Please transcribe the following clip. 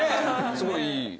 すごいいい。